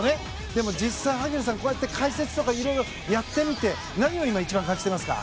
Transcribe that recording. でも、実際に萩野さんこうやって解説とか色々やってみて何を今一番感じていますか。